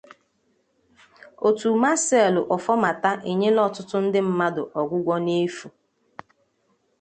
Òtù Marcel Ofomata Enyela Ọtụtụ Ndị Mmadụ Ọgwụgwọ n'Efù